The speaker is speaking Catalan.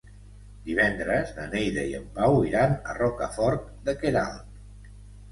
Divendres na Neida i en Pau iran a Rocafort de Queralt.